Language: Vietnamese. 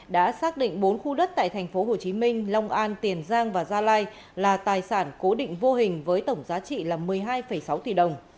đã xác định bốn khu đất tại thành phố hồ chí minh long an tiền giang và gia lai là tài sản cố định vô hình với tổng giá trị là một mươi hai sáu tỷ đồng